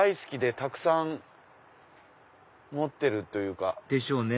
たくさん持ってるというか。でしょうね